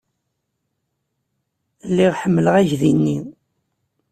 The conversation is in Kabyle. Lliɣ ḥemmleɣ aydi-nni.